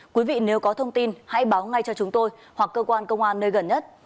quý vị nếu có thông tin hãy báo ngay cho chúng tôi hoặc cơ quan công an nơi gần nhất